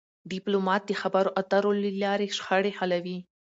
ډيپلومات د خبرو اترو له لارې شخړې حلوي..